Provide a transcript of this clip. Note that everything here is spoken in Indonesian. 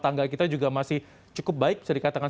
tangga kita juga masih cukup baik bisa dikatakan